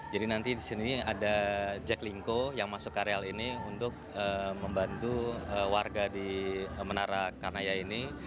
jadi nanti disini ada jak lingko yang masuk karyal ini untuk membantu warga di menara kanaya ini